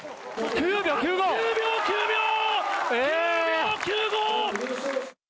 ９秒９５！